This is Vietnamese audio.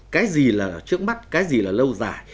cái gì là trước mắt cái gì là lâu dài